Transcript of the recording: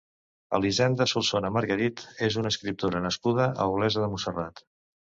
Elisenda Solsona Margarit és una escriptora nascuda a Olesa de Montserrat.